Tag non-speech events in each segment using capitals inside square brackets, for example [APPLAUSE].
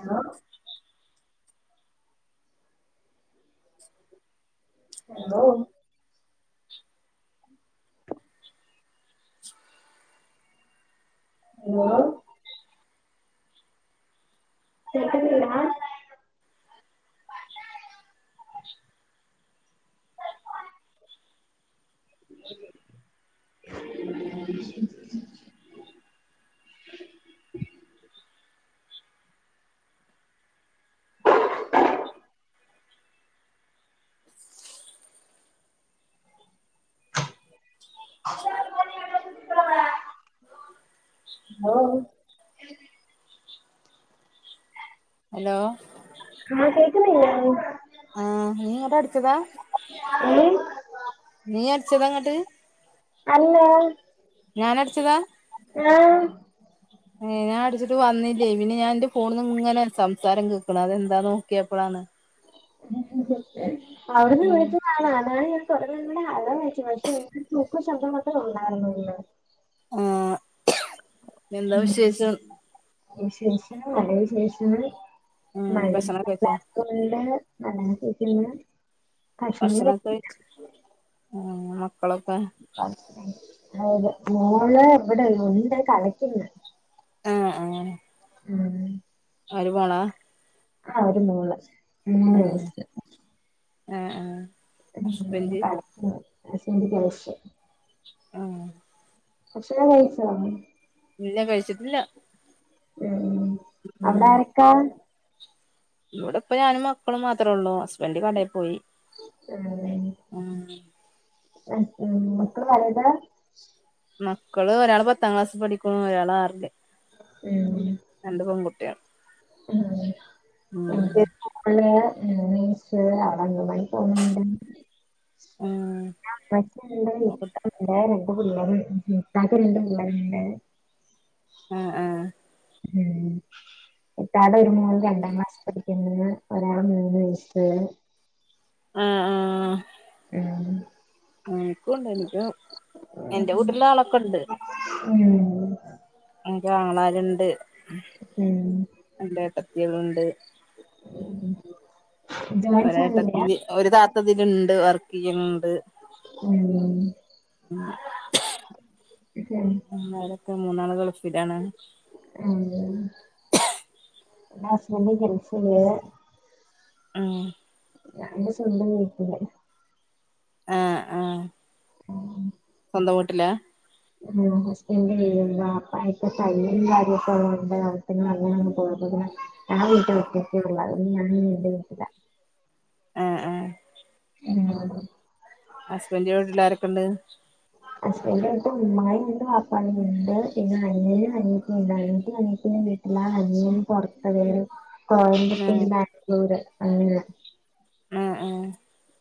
Hello hello hello കേൾക്കുന്നില്ലാ [INAUDIBLE] [INAUDIBLE] [INAUDIBLE] [INAUDIBLE] hello ആഹ കേൾക്കുന്നില്ലേ ആഹ നീങ്ങോട്ട് അടിച്ചതാ ഏഹ് നീ അടിച്ചതാ ഇങ്ങോട്ട് അല്ല ഞാനടിച്ചതാ ആഹ് ഏ ഞാൻടിച്ചിട്ട് വന്നില്ലേ പിന്നെ ഞാൻ ന്റെ ഫോണിന്ന് ഇങ്ങനെ സംസാരം കേൾക്കണ അതെന്താ നോക്കിയപ്പോഴാണ് അവിടുന്ന് ഉം വിളിച്ചതാണൊ ഞാൻ ഇങ്ങനെ തൊടങ്ങി നിങ്ങളടെ ഹലൊ പക്ഷെ ഷൂക്ക ശബന്തം മാത്രവേ ഉണ്ടായിരുന്നുന്ന് ആഹ എന്താ വിശേഷം വിശേഷം നല്ല വിശേഷം ഉം ഭക്ഷണൊക്കെ കഴിച്ചോ മഴയൊക്കെ ഉണ്ട് നല്ല കേക്കന്ന് ഭക്ഷണൊക്കെ കയിച് ഉം മക്കളൊക്കെ അ മോള് ഇവിടെ ഉണ്ട് കളിക്കുന്ന് ആഹ് ആഹ ഉം ഒരുമോള ആഹ ഒരു മൊള് മൂന്ന് വയസ്സ് ആഹ ആഹ കളിക്കുന്നു [UNINTELLIGIBLE] ഉം ഭക്ഷണംകയിച്ചൊ ഇല്ല കഴിച്ചിട്ടില്ല ഉം ഉം ഉം അവിടെ ആരൊക്കാ ഇവിടെ ഇപ്പ ഞാനും മക്കളും മാത്രേ ഉള്ളൂ ഹസ്ബൻഡ് കടെ പോയി ആലെ ഉം ആഹ ഉം മക്കള് വല്താ മക്കള് ഒരാൾ പത്താം ക്ലാസിൽ പഠിക്കണു ഒരാൾ ആറില്ല് ഉം രണ്ട് പെൺകുട്ടിയാ ഉം [UNINTELLIGIBLE] പൊണണ്ട് ഉം ആഹ ഉമ്മച്ചിൻഡ് [UNINTELLIGIBLE] രണ്ട് പിള്ളേരും ഇതാക്ക് രണ്ട് പിള്ളെരണ്ട് ആഹ് ആഹ ഉം ഇതാടെ ഒരു മൊൻ രണ്ടാം ക്ലാസ് പഠിക്ക്നിണ്ട് ഒരാൾ മൂന്ന് വയസ്സ് ഉള്ള് ആഹ ആഹ ഉം എനിക്കുംണ്ട് എനിക്ക് എന്റെ വീട്ടിലും ആളൊക്കെ ഉണ്ട് ഉം എനിക്ക് ആങ്ങളരുണ്ട് ഉം രണ്ട് ഏടത്തികളുണ്ട് ഉം ഒര് ഏട്ടത്തിൻ്റെ ഒരു താത്തതിലുണ്ട് വർക്ക് ചെയ്യ്ണ് ണ്ട്. ഉം ഉം [UNINTELLIGIBLE] പിന്നാരൊക്കെ മൂന്നാള് ഗൾഫിലാണ്. ഉം ഇന്റെ ഹസ്ബൻഡ് ഗൾഫില് ഉം ഞാനന്റെ സ്വന്തം വീട്ടില് ആഹ് ആഹ് സ്വന്തം വീട്ടിലാ? ആഹ് ഹസ്ബൻഡ് [UNINTELLIGIBLE] വാപ്പാക്ക് തയ്യലും കാര്യക്കെ ഇള്ളോണ്ട് അവ്റ്റ്ങ്ങള് [UNINTELLIGIBLE] ഞാൻ വീട്ടിൽ [UNINTELLIGIBLE] ഞാൻ എൻ്റെ വീട്ടിലാ. ആഹ് ആഹ് [UNINTELLIGIBLE] ഹസ്ബൻഡിന്റെ വീട്ടിലാരൊക്കെ ഇള്ളേ? [UNINTELLIGIBLE] ഹസ്ബൻഡ് എട്ത്ത് ഉമ്മായും ഉണ്ട് വാപ്പായും ഉണ്ട് പിന്നെ അനിയനും അനിയത്തിണ്ട് അനിയത്തി [UNINTELLIGIBLE] വീ എല്ലാ അനിയൻ പൊറത്ത് [UNINTELLIGIBLE] ഉം കോയമ്പത്തൂർ, ബാംഗ്ലൂര് അങ്ങനെ ഏഹ് ഏഹ്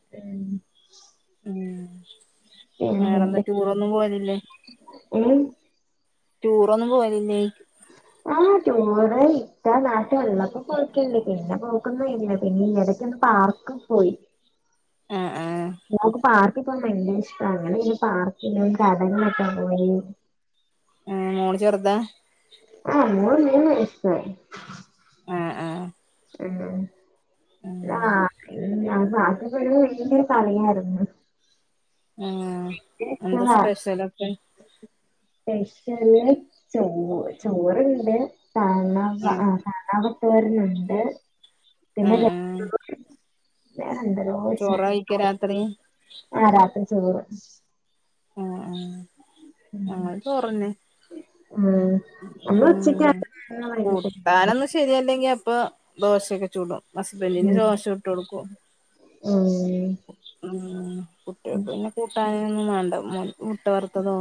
[UNINTELLIGIBLE] ഉം വേറെന്താ പിന്നെന്ത്? ടൂറൊന്നും പോവലില്ലേ [UNINTELLIGIBLE] ടൂറൊന്നും പോവലില്ലേ? ആഹ് ടൂർ ഇക്ക നാട്ടി വന്നപ്പോ പോയിട്ടുണ്ട്. പിന്നെ പോക്കോന്നുല്ല [UNINTELLIGIBLE] എടക്ക് പാർക്ക് പോയി. ആഹ് ആഹ് ഞങ്ങക്ക് പാർ ഇൻക്കിപ്പൊ നല്ല ഇഷ്ട്ടാണ് [UNINTELLIGIBLE] പാർക്കിലും കറങ്ങി നടക്കാനൊക്കെ പോയിരുന്നു. ഏഹ് മോള് ചെറുതാ? ആഹ് മോൾ മൂന്ന് വയസ്സായി. ആഹ് ആഹ് ആഹ് ഉം [UNINTELLIGIBLE] ഉം ഭയങ്കര എന്താ ഇഷ്ടവാ സ്പെഷ്യലൊക്കെ? സ്പെഷ്യല് ചോ ചോറ്ണ്ട്. കാണ്ണവ ആഹ് കാണവ തോരനുണ്ട് പിന്നെ ആഹ് ആഹ് [UNINTELLIGIBLE] [UNINTELLIGIBLE] ചോറായിക്ക രാത്രി ആഹ് രാത്രി ചോറ് ഉം ആഹ് ആഹ് ഞങ്ങളിപ്പോ [UNINTELLIGIBLE] ആഹ് നമ്മള് കൂട്ടാനൊന്നും [UNINTELLIGIBLE] ശരിയല്ലെങ്കി അപ്പൊ ദോശയക്കെ ചുടും ഹസ്ബൻഡിന് ഉം ദോശ ചുട്ടൊട്ക്കും. ഉം ഉം കുട്ടിയേക്ക് പിന്നെ കൂട്ടാനൊന്നും മാണ്ട [UNINTELLIGIBLE] മുട്ട വറുത്തതോ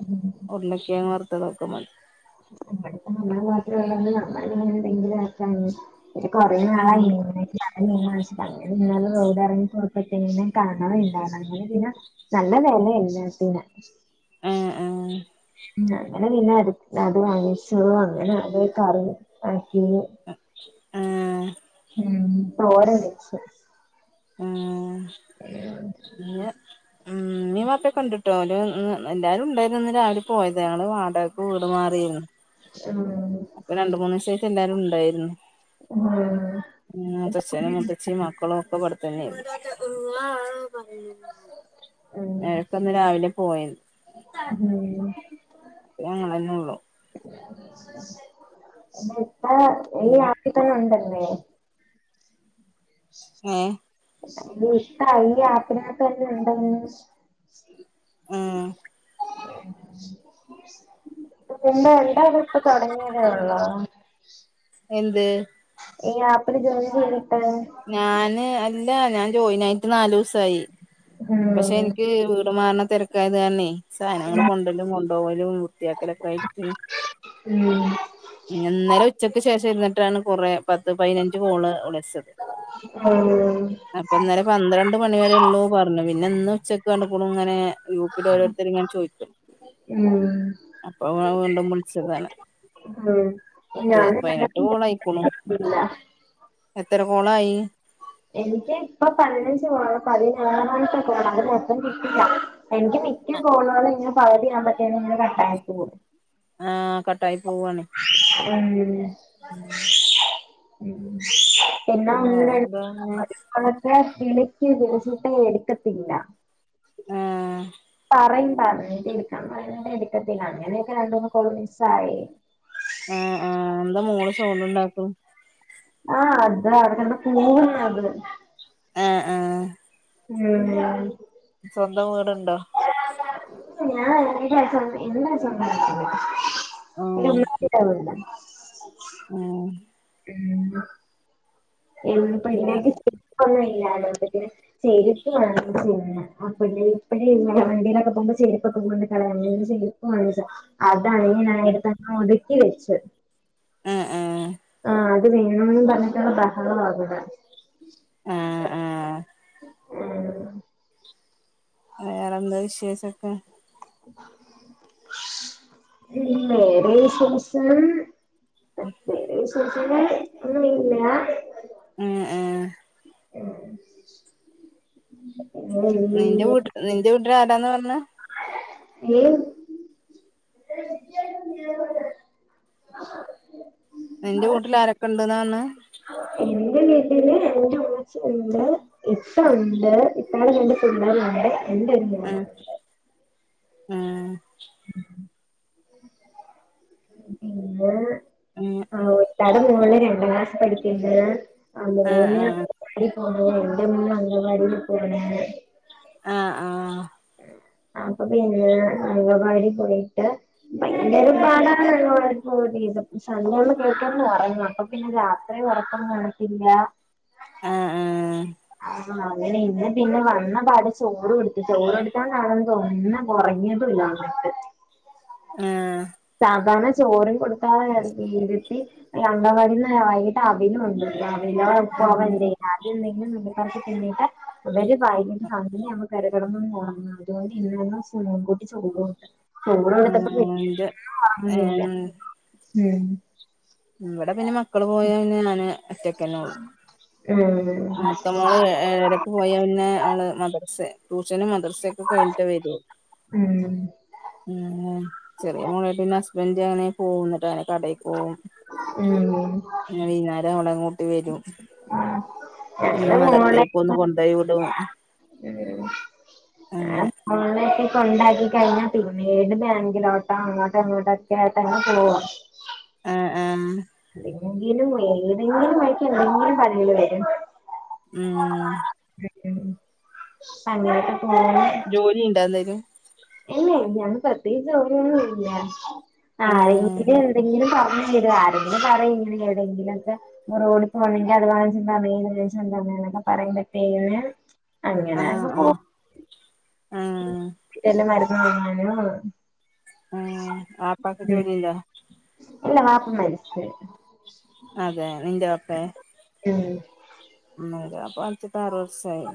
ഇവിടുത്തെ ഉരുളക്കെങ്ങ് വറുത്തതോ ഒക്കെ മ [UNINTELLIGIBLE] ഒരു കൊറേ ഉം നാളായി [UNINTELLIGIBLE] [UNINTELLIGIBLE] നല്ല വെലേണ് [UNINTELLIGIBLE] ഏഹ് ഏഹ് ഉം അങ്ങനെ പിന്നെ അത് അത് വാങ്ങിച്ചു അങ്ങനെ അത് കറി ആക്കി ആഹ് ആഹ് ഉം തോരൻ വെച്ചു ആഹ് അങ്ങനെ ഉം ഇമ്മിം വാപ്പ കണ്ട്ട്ടോ എല്ലാരും ഉണ്ടാര്ന്ന് ഇന്ന് രാവിലെ പോയത ഞങ്ങൾ വാടകക്ക് വീട് മാറേര്ന്നു ആഹ് അപ്പ രണ്ട് മൂന്നീസായിട്ട് എല്ലാരും ഇണ്ടായിരുന്നു ഉം മൂത്തച്ഛനും മൂത്തച്ചിം മ ക്കളും ഒക്ക ഇപടത്തന്നെര്ന്നു ഉം ഓലൊക്കേ ഇന്ന് രാവിലെ പോയത് ഉം ഇപ്പൊ ഞങ്ങളന്നെ ഉള്ളു ഈ ആക്കി തന്നെ ഉണ്ടല്ലേ ഏഹ് ഇത്ത ഈ ആപ്പിനകത്തന്നെ ഇണ്ടാ ഉം ഉം [UNINTELLIGIBLE] ഇപ്പ തൊടങ്ങേതേ ഒള്ളോ എന്ത് ഈ ആപ്പിൽ ജോയിൻ ചെയ്ത്ട്ട് ഞാന് അല്ല ഞാൻ ജോയിനായിട്ട് നാലൂ സായി ഉം പക്ഷെ എനിക്ക് വീട് മാർണ തെരക്കായത് കാരണയ് സാനങ്ങള് കൊണ്ടലും കൊണ്ടൊവലും വൃത്താക്കലൊക്ക ആയിറ്റ് ഉം ഇന്നലെ ഉച്ചക്ക് ശേഷം ഇര്ന്നിട്ടാണ് കൊറെ പത്ത് പയ്നഞ്ച് കോള് വിളിച്ചത് ആഹ് അപ്പ ഇന്നെലെ പന്ത്രണ്ട് മണി വരെള്ളൂ പറഞ്ഞു പിന്നെ ഇന്ന് ഉച്ചക്ക് കണ്ട്ക്കൂണുങ്ങനെ ഗ്രൂപ്പിൽ ഓരോരുത്തര്ങ്ങനെ ചോയിക്ക ഉം അപ്പൊ വീണ്ടും വിളിച്ചതാണ് ഉം പത്ത് ഞാൻ പൈനെട്ട് കൊളയ്ക്ണു ഇല്ല എത്ര കോളായി എനിക്ക് ഇപ്പ പതിനഞ്ച് കോള പതിനാറാമത്തേ കോളാ അത് മൊത്തം കിട്ടില്ല എനിക്ക് മിക്ക കോളുകളും ഇങ്ങനെ പകുതി ചെയ്യാൻ പറ്റ്ണ്‌ല്ല കട്ടായി പോവ ആഹ് കട്ടായി പോവാണയ് ഉം ഉം ഉം ഉം പിന്നെ ആ ഒന്ന് എന്താണ് [UNINTELLIGIBLE] [UNINTELLIGIBLE] വിളിക്ക് വിളിച്ച്ട്ട് എട്ക്കത്തില്ല ആഹ് പറയും പറഞ്ട്ട് എടുക്കാൻ പറയ എടുക്കത്തില്ല അങ്ങനെയൊക്കെ രണ്ടൂന്ന് കോള് മിസ്സായി ആഹ് ആഹ് എന്താ മൊള് സൗണ്ട് ണ്ടാക്ണ് ആഹ് അതവട കടന്ന് കൂവുന്നത് ആഹ് ആഹ് ഉം സ്വന്തം വീട്ണ്ടോ ഞാൻ [UNINTELLIGIBLE] [UNINTELLIGIBLE] ഇന്റെ ആഹ് ഉമ്മാന്റെ വീട് ആഹ് ഉം [UNINTELLIGIBLE] വേറെ ഒന്നുല്ല അതോട് പിന്നെ ചേരുപ്പ് വാങ്ങിച്ച് കഴിഞ ആ പെണ്ണിന് [UNINTELLIGIBLE] വണ്ടിലൊക്കെ പോമ്പോ ചെരുപ്പൊക്കെ കൊണ്ട് കളയാ അങ്ങനെ ചെയ്യും [UNINTELLIGIBLE] അതാണെ ഇഞ്ഞ് ഞാനതടുത്ത ഒതുക്കി വെച്ചു. ഹ് ആ ആ അത് വേണന്ന് പറഞ്ഞിട്ടുള്ള ബഹള ഇവിടെ ആഹ ആഹ വേറെ എന്താ വിശേഷക്കെ? വേറെ വിശേഷം ഉം വേറെ വിശേഷങ്ങൾ ഒന്നുംമില്ലാ ഉം ഏഹ [INAUDIBLE] നിന്റെ വീട്ട നിന്റെ വീട്ടിൽ ആരാന്ന് പറഞ്ഞ? ഏഹ് നിന്റെ വീട്ടിൽ അരൊക്കെണ്ട് ന്നർഞ്ഞ ഇന്റെ വീട്ടില് എന്റെ ഉമ്മച്ചി ഉണ്ട് ഇപ്പ ഉണ്ട് ഇപ്പാടെ രണ്ട് പിള്ളേര് ഉണ്ട് എന്റെ ഒരു മോളും ആഹ പിന്നെ ഉം ആ ഒറ്റാള്ത മോള് രണ്ടാം ക്ലാസ് പഠിക്ക്ണ്ട് ആ ആഹ് മോന് ആഹ് അ എന്റെ മോൻ അംഗൻവാടിൽ പോവ്‌ണ് ണ്ട് ആഹ ആഹ് അപ്പൊ പിന്നെ അംഗനവാടി പോയിട്ട് ഭയങ്കര ഉം പാടാ [UNINTELLIGIBLE] പക്ഷേ അന്ന് ഓള് പെട്ടന്ന് ഉറങ്ങും അപ്പൊ പിന്നെ രാത്രി ഉറക്കൊന്നും കാണത്തില്ല. ആ ആഹ് ആഹ് അങ്ങനെ ഇന്ന് പിന്നെ വന്ന പാട് ചോറ് കൊടുത്ത് ചോറ്ടുത്താ [UNINTELLIGIBLE] ഒന്നും ഉറങ്ങിയതു ഇല്ലാ [INAUDIBLE] ഏഹ സാധാരണ ചോറും കൊടുത്താ അവിടെ ഇരുത്തി ഈ അങ്കവാടിന്ന് വൈകിട്ട് അവില് കൊണ്ടുവരും. അവിലേ ഉം ഉപ്പുമാവ എന്തേലും ആദ്യം എന്തെങ്കിലും നുള്ളി പെറുക്കി തിന്നീട്ട് ഇവര് വ [UNINTELLIGIBLE] [UNINTELLIGIBLE] [UNINTELLIGIBLE] സുണം കുട്ടി ചോറുണ്ട് ചോർന്നിട്ട് [UNINTELLIGIBLE] ആഹ് ഇന്റെ ഒന്നും ഓർമയില്ല ഏഹ് ഉം ഇവിടെ പിന്നെ മക്കള് പോയാ പിന്നെ ഞാന് ഒറ്റക്കന്നെള്ളു. ഏഹ് മൂത്തമോള് ഏഴരക്ക് പോയാ പിന്നെ അവള് മദ്രസ് ടൂഷനും മദ്ര മദ്രാസൊക്കെ കഴിഞ്ഞിട്ട് വരു ഉം ഏഹ് ചെറിയ മോള പിന്നെ ഹസ്ബൻഡ് അണ്. പോകുന്ന്ട്ട് അങ്ങനെ കടയി പോവും ഉം വൈകുന്നേരം അവളെയും കൂട്ടി വരും. ഉം പിന്നെ ഞങ്ങളെ മോള മദർസേക്ക് ഒന്ന് കൊണ്ടോയി വിടും അങ്ങനെ ഉം [UNINTELLIGIBLE] കെണ്ടാക്കി കഴിഞ്ഞാൽ പിന്നെ ബാങ്കിലോട്ടോ അങ്ങോട്ടോ ഇങ്ങോട്ടൊക്കെ തന്നെ പോവാ. ആ ആഹ് എന്തെങ്കിലും ഏതെങ്കിലും വഴിക്ക് എന്തെങ്കിലും പണികൾ വരും. ഉം ഉ അങ്ങനെയൊക്കെ പോവ്ണ് ജോലി ഉണ്ടേ എന്തേലും? അല്ലെ ഞാൻ പ്രത്യേകിച്ച് ഒന്നും ഇല്ല ആ ആഹ് എങ്കിലും എവിടെങ്കിലും പറഞ് ആരെങ്കിലും പറ ഇങ്ങനെ എവിടെയെങ്കിലും ഒക്കെ ഒരു ഓടി പോണെങ്കിൽ അത് [UNINTELLIGIBLE] എന്താ അമ്മേ പറയുമ്പോതെന്ന് അങ്ങനെ ആഹ് ഓ ആഹ് വല്ല മരുന്ന് വാങ്ങാനോ ആഹ് വാപ്പക്ക് ജോലിയുണ്ടോ ഇല്ല വാപ്പ മരിച്ച് പോയി അതെ നിന്റെ വാപ്പേ ഉം ഇന്റെ വാപ്പ മരിച്ചിട്ട് ആറ് വർഷമായി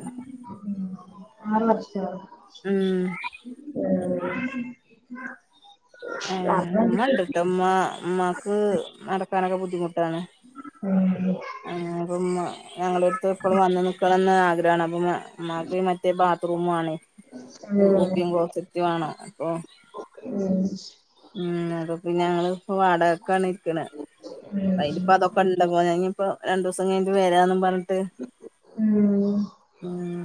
ആറ് വർഷോ ഉം ഉം വാപ്പ ഉമ്മ മരിച്ചിട്ട് ഉണ്ട്ട്ടോ ഉമ്മ ഉമ്മാക്ക് നടക്കാനൊക്കെ ബുദ്ധിമുട്ടാണ് ഉം ഉം ആഹ് അപ്പം ഇമ്മ ഞങ്ങളെ എടുത്ത് എപ്പോഴും വന്ന് നിക്കണംന്ന് ആഗ്രഹമാണ് അപ്പൊ ഇമ്മാക് മറ്റേ ബാത്റൂമ് വാണം യൂറോപ്പ്യൻ ക്ലോസറ്റ് വേണം അപ്പൊ ഉം ഉം അപ്പം പിന്നെ ഞങ്ങള് ഇപ്പം വാടകക്കാണ് നിക്ക്ണെ ഉം ഉം അതിനിപ്പം അതൊക്കെ ഉണ്ട് പോ ഇനി ഇപ്പോ രണ്ടു ദിവസം കഴിഞ്ഞിട്ട് വരാന്നും പറഞ്ഞിട്ട് ഉം ഉം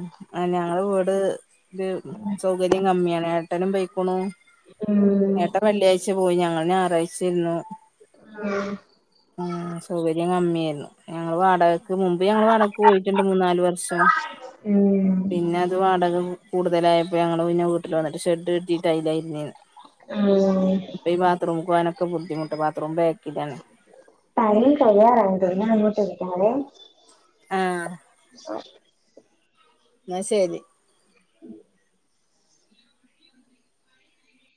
ഞങ്ങളെ വീട് ഇത് സൗകര്യം കമ്മിയാണ് ഏട്ടനും പൊയ്ക്ക്ണു ഉം വെള്ളിയാഴ്ച പോയി ഞങ്ങൾ ഞായറാഴ്ച്ച ഇരുന്നു ആഹ് ഉ സൗകര്യം കമ്മിയായിരുന്നു ഞങ്ങൾ വാടകക്ക് മുമ്പ് ഞങ്ങള് വാടകക്ക് പോയിട്ടുണ്ട് മൂന്നാല് വർഷം ഉം പിന്നെ അത് വാടക കൂടുതലായപ്പയേ ഞങ്ങള് പിന്നെ വീട്ടില് വന്നിട്ട് ഷെഡ് കെട്ടീട്ട് അയിലാ ഇരുന്നേർന്ന് ആഹ് അപ്പേ ഈ ബാത്ത്റൂമ്ക്ക് പോകാനൊക്ക ബുദ്ധിമുട്ട് ബാത്ത്റൂം ബേക്കിലാണ് ടൈം കഴിയാറായിട്ടുണ്ട് ഞാൻ അങ്ങോട്ട് വിളിക്കാവേ ആഹ് [INAUDIBLE] എന്നാ ശരി